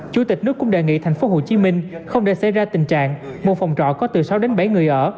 chủ tịch nước cũng đề nghị tp hcm không để xảy ra tình trạng một phòng trọ có từ sáu đến bảy người ở